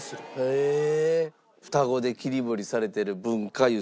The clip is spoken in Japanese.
へえ！